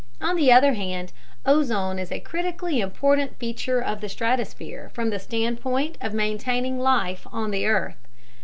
On the other hand, ozone is a critically important feature of the stratosphere from the standpoint of maintaining life on the earth.